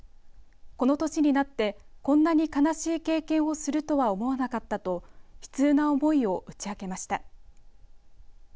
この歳になってこんなに悲しい経験をするとは思わなかったと悲痛な思いを打ち明けました。